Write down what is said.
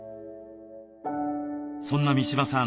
そんな三嶋さん